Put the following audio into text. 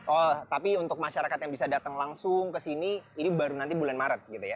oh tapi untuk masyarakat yang bisa datang langsung ke sini ini baru nanti bulan maret gitu ya